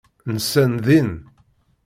Nsan din.